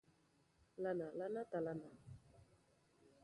Lana, lana eta lana.